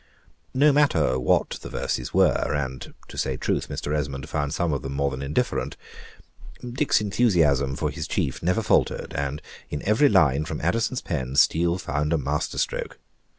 No matter what the verses were, and, to say truth, Mr. Esmond found some of them more than indifferent, Dick's enthusiasm for his chief never faltered, and in every line from Addison's pen, Steele found a master stroke.